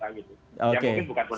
yang mungkin bukan politik kita